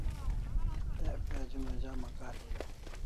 Ek page una jama kari